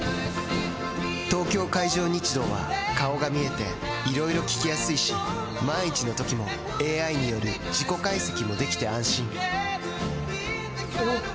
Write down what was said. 東京海上日動は顔が見えていろいろ聞きやすいし万一のときもＡＩによる事故解析もできて安心おぉ！